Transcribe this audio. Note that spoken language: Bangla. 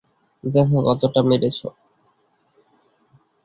দেখ কতটা মেরেছে।